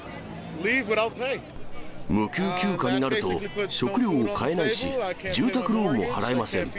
無給休暇になると食料を買えないし、住宅ローンも払えません。